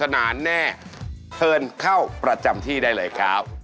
มันไม่ใช่รถตุ๊ก